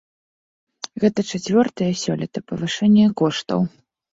Гэта чацвёртае сёлета павышэнне коштаў.